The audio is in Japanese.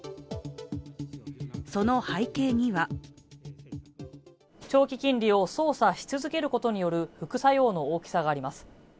その背景には長期金利を操作し続けることによる副作用の大きさがあります。